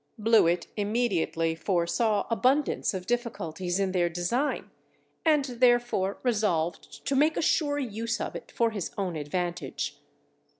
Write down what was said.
Blewitt immediately foresaw abundance of difficulties in their design, and therefore resolved to make a sure use of it for his own advantage.